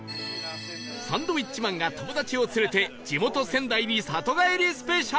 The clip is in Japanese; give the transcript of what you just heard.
サンドウィッチマンが友達を連れて地元仙台に里帰りスペシャル